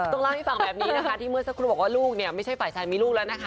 ต้องเล่าให้ฟังแบบนี้นะคะที่เมื่อสักครู่บอกว่าลูกเนี่ยไม่ใช่ฝ่ายชายมีลูกแล้วนะคะ